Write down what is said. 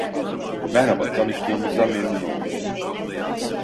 Merhaba, tanıştığımıza memnun oldum.